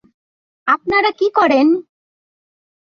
আপনারা কী করেন?